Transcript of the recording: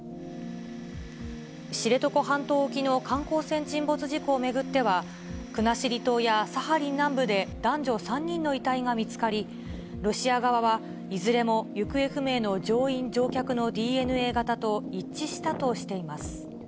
知床半島沖の観光船沈没事故を巡っては、国後島やサハリン南部で、男女３人の遺体が見つかり、ロシア側は、いずれも、行方不明の乗員・乗客のＤＮＡ型と一致したとしています。